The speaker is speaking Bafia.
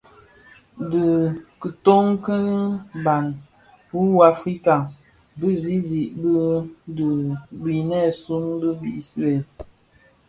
Dhi kitoň ki bhan mu u Africa Bizizig bii dhi binèsun bii bi bès.